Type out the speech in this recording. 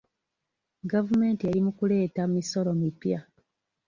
Gavumenti eri mu kuleeta misolo mipya.